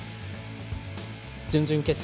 準々決勝